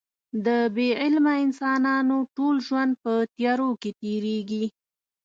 د بې علمه انسانانو ټول ژوند په تیارو کې تېرېږي.